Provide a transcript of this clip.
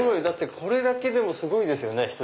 これだけでもすごいですよね。